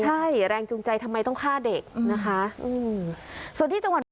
ใช่แรงจูงใจทำไมต้องฆ่าเด็กนะคะ